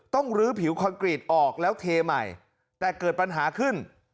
ลื้อผิวคอนกรีตออกแล้วเทใหม่แต่เกิดปัญหาขึ้น